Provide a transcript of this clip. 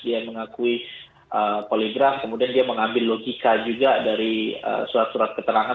dia mengakui poligraf kemudian dia mengambil logika juga dari surat surat keterangan